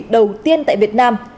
đầu tiên tại việt nam